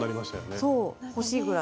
そう欲しいぐらい。